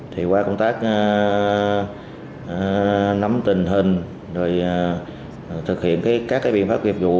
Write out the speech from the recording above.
thì qua công tác nắm tình hình rồi thực hiện các biện pháp nghiệp vụ